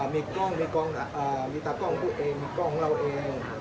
มีตราบกล้องของตัวเองมีกล้องของเราเอง